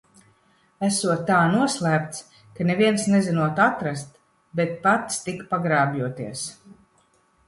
Esot tā noslēpts, ka neviens nezinot atrast, bet pats tik pagrābjoties.